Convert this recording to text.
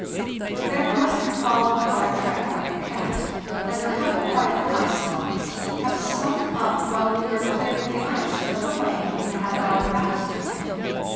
"The bear must have followed our track like a cat, and, covered by the ice blocks, have slunk up while we were clearing the ice from the lane and had our backs to him.